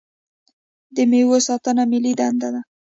د میوو ساتنه ملي دنده ده.